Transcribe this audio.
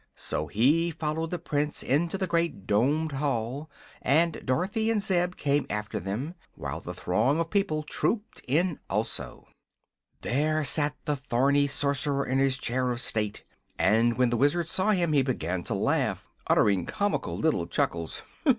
So he followed the Prince into the great domed hall, and Dorothy and Zeb came after them, while the throng of people trooped in also. There sat the thorny Sorcerer in his chair of state, and when the Wizard saw him he began to laugh, uttering comical little chuckles.